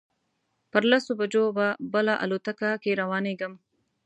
پر لسو بجو به بله الوتکه کې روانېږم.